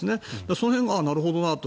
その辺が、なるほどなと。